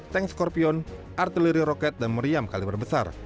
tank skorpion artileri roket dan meriam kaliber besar